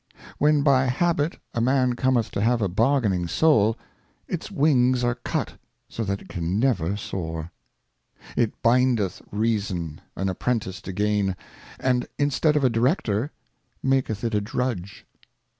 WHEN by habit a Man cometh to have a bargaining Soul, Lucre. its Wings are cut, so that it can never soar. It bindeth Reason an Apprentice to Gain, and instead of a Director, maketh it a Drudge.